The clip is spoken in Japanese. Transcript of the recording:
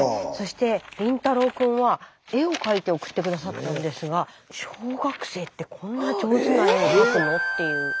そして琳大郎くんは絵を描いて送って下さったんですが小学生ってこんな上手な絵を描くの？っていう。